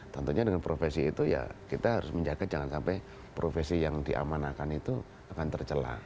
tentunya dengan profesi itu ya kita harus menjaga jangan sampai profesi yang diamanakan itu akan tercelah